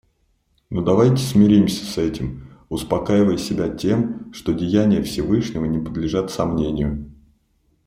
Но давайте смиримся с этим, успокаивая себя тем, что деяния Всевышнего не подлежат сомнению.